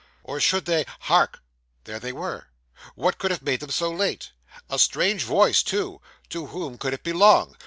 or should they Hark! there they were. What could have made them so late? A strange voice, too! To whom could it belong?